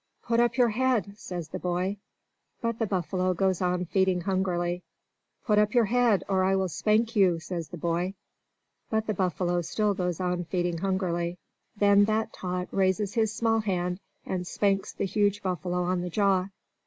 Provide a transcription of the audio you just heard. "Put up your head!" says the boy. But the buffalo goes on feeding hungrily. "Put up your head, or I will spank you!" says the boy. But the buffalo still goes on feeding hungrily. Then that tot raises his small hand and spanks the huge buffalo on the jaw.